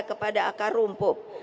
kepada akar rumpuk